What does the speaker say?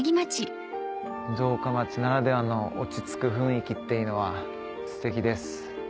城下町ならではの落ち着く雰囲気っていうのはステキです。